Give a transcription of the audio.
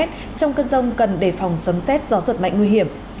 trong cơn rông cần đề phòng sấm xét do ruột mạnh nguy hiểm